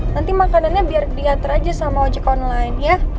nanti makanannya biar diatur aja sama ojek online ya